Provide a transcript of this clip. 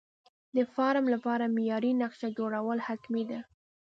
د فارم لپاره معیاري نقشه جوړول حتمي ده.